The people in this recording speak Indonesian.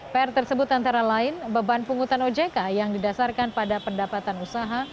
pr tersebut antara lain beban pungutan ojk yang didasarkan pada pendapatan usaha